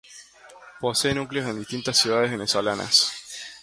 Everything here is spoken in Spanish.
Posee núcleos en distintas ciudades venezolanas.